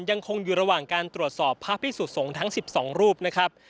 ยังคงอยู่ระหว่างการตรวจสอบพระพิสุสงฆ์ทั้ง๑๒รูปนะครับ